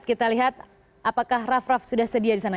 kita lihat apakah raff raff sudah sedia di sana